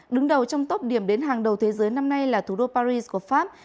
đứng đầu trong tốc điểm đến hàng đầu thế giới năm nay là thủ đô paris của pháp